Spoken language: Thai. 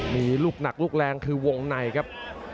มีลูกหนักลูกแรงคือวงในครับ